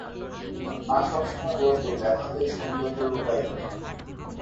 মা সব সময় বলতো ব্যথাতেই সৌন্দর্য লুকায়িত।